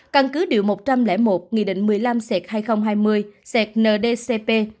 căn cứ điều một trăm linh một nghị định một mươi năm hai nghìn hai mươi ndcp